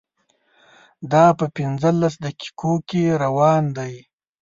دا په پنځلس دقیقو کې روان دی.